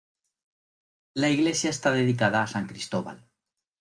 La iglesia está dedicada a san Cristóbal.